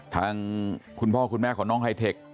ทางคุณพ่อคุณแม่ของน้องไฮเทค